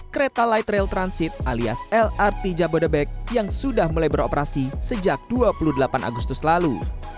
kereta light rail transit alias lrt jabodebek yang sudah mulai beroperasi sejak dua puluh delapan agustus lalu